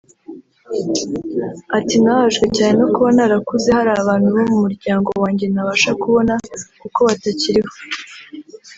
Ati “Nbabajwe cyane no kuba narakuze hari abantu bo mu muryango wanjye ntabasha kubona kuko batakiriho